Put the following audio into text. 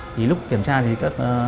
thì lúc kiểm tra thì các